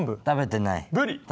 食べてない。